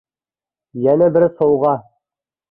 يەنە بىر سوۋغا.